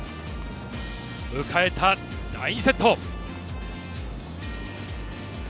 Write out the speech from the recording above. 迎えた第２セット。